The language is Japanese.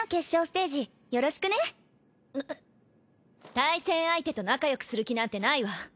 対戦相手と仲よくする気なんてないわ！